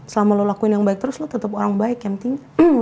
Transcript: selama lo lakuin yang baik terus lo tetap orang baik yang penting